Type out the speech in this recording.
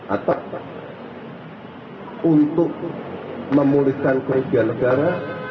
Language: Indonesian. atau untuk memulihkan kerugian negara